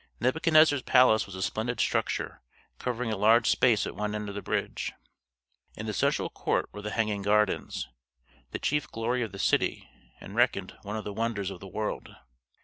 Nebuchadnezzar's palace was a splendid structure covering a large space at one end of the bridge. In the central court were the Hanging Gardens, the chief glory of the city, and reckoned one of the wonders of the world.